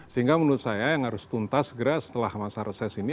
sehingga menurut saya yang harus tuntas segera setelah masa reses ini